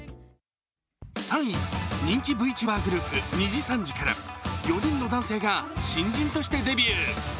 ３位、人気Ｖｔｕｂｅｒグループにじさんじから４人の男性が新人としてデビュー。